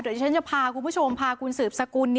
เดี๋ยวฉันจะพาคุณผู้ชมพาคุณสืบสกุล